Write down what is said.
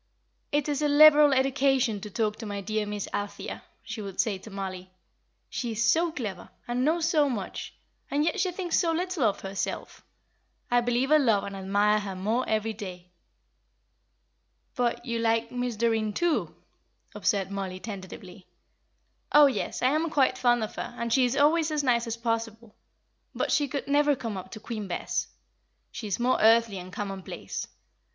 "It is a liberal education to talk to my dear Miss Althea," she would say to Mollie. "She is so clever, and knows so much, and yet she thinks so little of herself. I believe I love and admire her more every day." "But you like Miss Doreen, too?" observed Mollie, tentatively. "Oh, yes, I am quite fond of her, and she is always as nice as possible. But she could never come up to Queen Bess; she is more earthly and commonplace.